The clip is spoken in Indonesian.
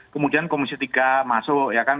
kemudian komisi tiga masuk ya kan